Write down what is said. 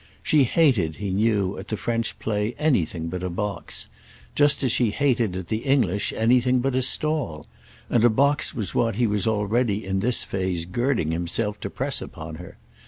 She hated, he knew, at the French play, anything but a box—just as she hated at the English anything but a stall; and a box was what he was already in this phase girding himself to press upon her.